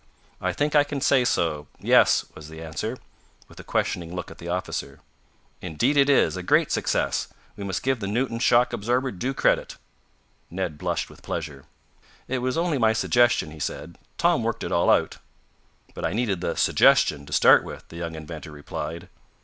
"I think I can say so yes," was the answer, with a questioning look at the officer. "Indeed it is a great success! We must give the Newton shock absorber due credit." Ned blushed with pleasure. "It was only my suggestion," he said. "Tom worked it all out." "But I needed the suggestion to start with," the young inventor replied.